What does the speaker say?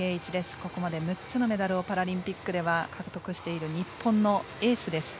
ここまで６つのメダルをパラリンピックでは獲得している日本のエースです。